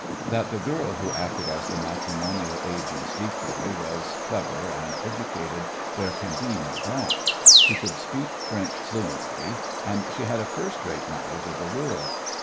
That the girl who acted as the matrimonial agent's decoy was clever and educated there can be no doubt. She could speak French fluently, and she had a first rate knowledge of the world.